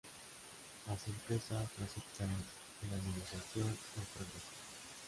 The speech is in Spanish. Las empresas no aceptaron y la negociación no progresó".